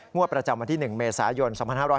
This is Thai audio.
ประจำวันที่๑เมษายน๒๕๖๐